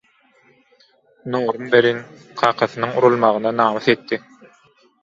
Nurum welin, kakasynyň urulmagyna namys etdi.